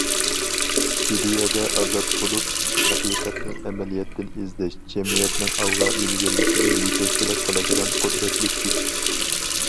ئىدىيەدە ئازاد بولۇپ، ھەقىقەتنى ئەمەلىيەتتىن ئىزدەش جەمئىيەتنىڭ ئالغا ئىلگىرىلىشىگە يېتەكچىلىك قىلىدىغان قۇدرەتلىك كۈچ.